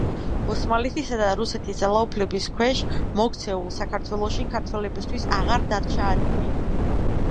ოსმალეთისა და რუსეთის ძალაუფლების ქვეშ მოქცეულ საქართველოში ქართველებისთვის აღარ დარჩა ადგილი.